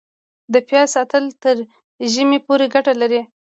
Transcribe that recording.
د پیاز ساتل تر ژمي پورې ګټه لري؟